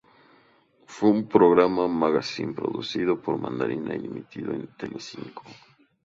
Fue un programa magacín producido por Mandarina y emitido en Telecinco.